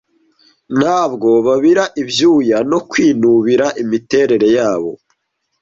Ntabwo babira ibyuya no kwinubira imiterere yabo,